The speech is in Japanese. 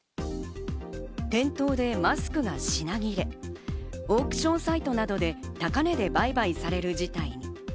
店頭でマスクが品切れ、オークションサイトなどで高値で売買される事態に。